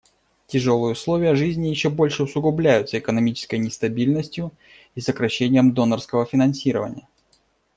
Тяжелые условия жизни еще больше усугубляются экономической нестабильностью и сокращением донорского финансирования.